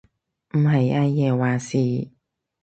唔係阿爺話事？